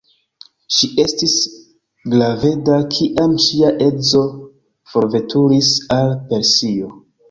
Ŝi estis graveda, kiam ŝia edzo forveturis al Persio.